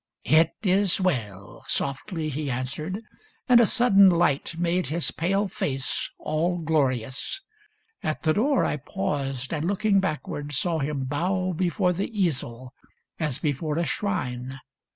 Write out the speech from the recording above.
'' It is well," Softly he answered, and a sudden light Made his pale face all glorious. At the door I paused, and looking backward saw him bow Before the easel as before a shrine.